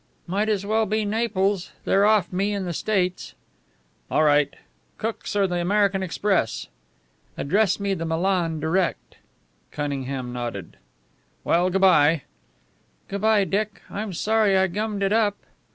"Might as well be Naples. They're off me in the States." "All right. Cook's or the American Express?" "Address me the Milan direct." Cunningham nodded. "Well, good bye." "Good bye, Dick. I'm sorry I gummed it up."